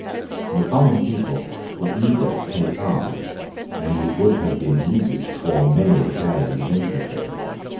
The common people were eager to take arms; and it would have been easy to form many battalions of infantry.